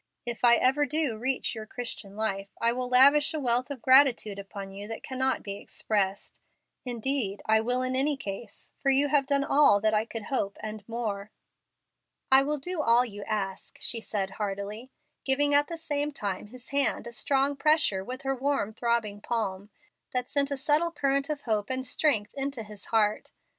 If I ever do reach your Christian life, I will lavish a wealth of gratitude upon you that cannot be expressed. Indeed, I will in any case, for you have done all that I could hope and more." "I will do all you ask," she said, heartily, giving at the same time his hand a strong pressure with her warm, throbbing palm, that sent a subtle current of hope and strength into his heart.